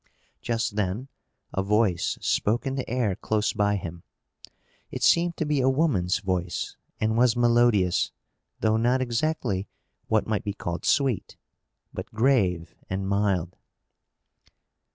Just then a voice spoke in the air close by him. It seemed to be a woman's voice, and was melodious, though not exactly what might be called sweet, but grave and mild.